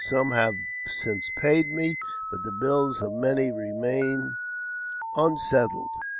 Some have since paid me, but the bills of many remain unsettled.